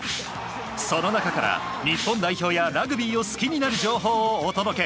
その中から日本代表やラグビーを好きになる情報をお届け。